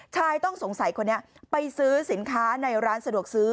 ชายต้องสงสัยคนนี้ไปซื้อสินค้าในร้านสะดวกซื้อ